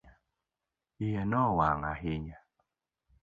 iye nowang' ahinya